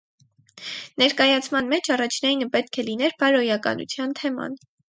Ներկայացման մեջ առաջնայինը պետք է լիներ բարոյականության թեման։